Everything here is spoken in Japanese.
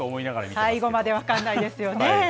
最後まで分かんないですよね。